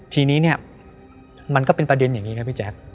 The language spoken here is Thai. ทีนี้เนี่ยมันก็เป็นประเด็นอย่างนี้นะพี่แจ๊ค